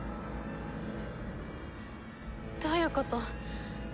どういうこと？